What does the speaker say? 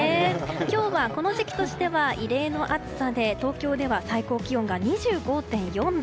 今日はこの時期としては異例の暑さで東京では最高気温が２５．４度。